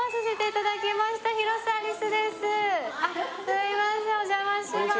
すいませんおじゃまします